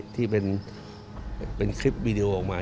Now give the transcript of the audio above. ที่เป็นคลิปวีดีโอออกมา